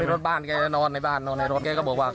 รถบ้านแกนอนในบ้านนอนในรถแกก็บอกว่า